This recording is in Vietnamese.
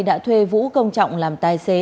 đã thuê vũ công trọng làm tài xế